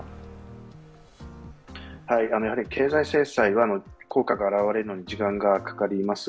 経済制裁は効果が現れるのに時間がかかります。